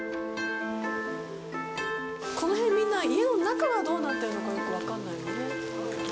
この辺、みんな、家の中はどうなってるのか、よく分からないよね。